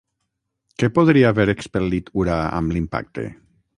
Què podria haver expel·lit Urà amb l'impacte?